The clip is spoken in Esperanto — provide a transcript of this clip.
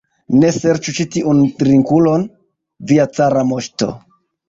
Ne serĉu ĉi tiun drinkulon, via cara moŝto!